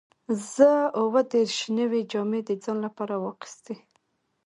زه اووه دیرش نوې جامې د ځان لپاره واخیستې.